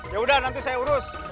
ya udah nanti saya urus